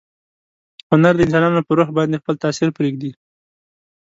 هنر د انسانانو په روح باندې خپل تاثیر پریږدي.